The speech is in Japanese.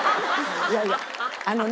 いやいやあのね